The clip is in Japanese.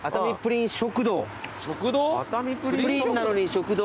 食堂？